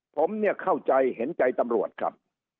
ผมเนี่ยเข้าใจเห็นใจตำรวจครับ